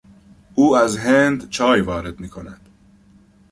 او از هند چای وارد میکند.